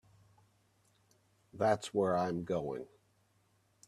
That's where I'm going.